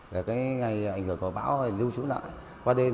để cái ngày ảnh hưởng của bão lưu trú lại qua đêm